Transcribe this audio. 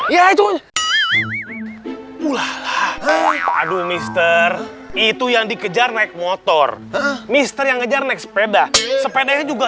ya itu ulah waduh mr itu yang dikejar naik motor mister yang ngejar naik sepeda sepedanya juga